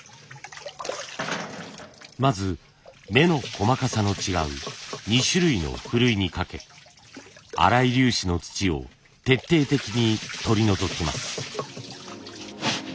まず目の細かさの違う２種類のふるいにかけ粗い粒子の土を徹底的に取り除きます。